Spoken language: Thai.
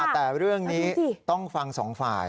แต่เรื่องนี้ต้องฟังสองฝ่าย